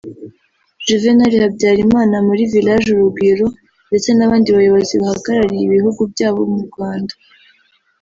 Juvénal Habyarimana muri « Village Urugwiro » ndetse n’abandi bayobozi bahagarariye ibihugu byabo mu Rwanda